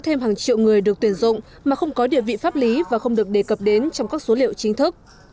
thêm hàng triệu người được tuyển dụng mà không có địa vị pháp lý và không được đề cập đến trong các số liệu chính thức